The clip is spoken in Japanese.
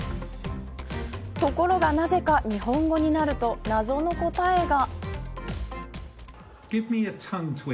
ところがなぜか日本語になると謎の答えが。